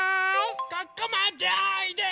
ここまでおいで！